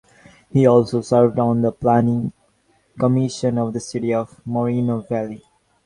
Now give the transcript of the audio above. He also served on the Planning Commission of the City of Moreno Valley.